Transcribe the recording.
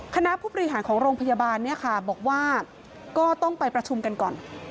คณะผู้บริหารของโรงพยาบาลเนี่ยค่ะบอกว่าก็ต้องไปประชุมกันก่อน